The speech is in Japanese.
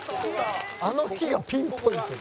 「あの日がピンポイントで」